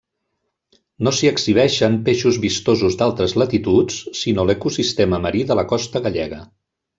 No s'hi exhibeixen peixos vistosos d'altres latituds, sinó l'ecosistema marí de la costa gallega.